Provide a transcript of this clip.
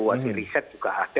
ada riset juga ada